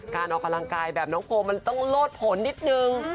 การออกกำลังกายแบบน้องโพลมันต้องโลดผลนิดนึง